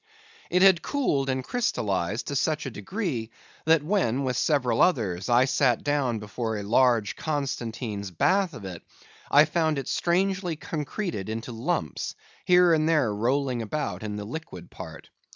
It had cooled and crystallized to such a degree, that when, with several others, I sat down before a large Constantine's bath of it, I found it strangely concreted into lumps, here and there rolling about in the liquid part.